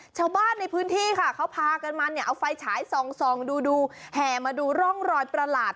ชาวบ้านในพื้นที่ค่ะเขาพากันมาเนี่ยเอาไฟฉายส่องดูดูแห่มาดูร่องรอยประหลาด